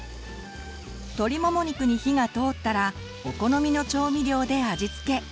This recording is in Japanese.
鶏もも肉に火が通ったらお好みの調味料で味つけ。